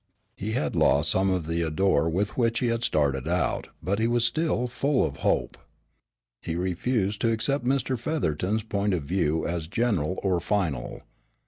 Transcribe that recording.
He had lost some of the ardor with which he had started out but he was still full of hope. He refused to accept Mr. Featherton's point of view as general or final.